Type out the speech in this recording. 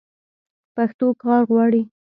پښتو کار غواړي.